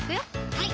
はい